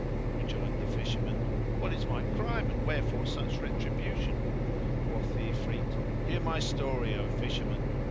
Rejoined the Fisherman, "What is my crime and wherefore such retribution?" Quoth the Ifrit, "Hear my story, O Fisherman!"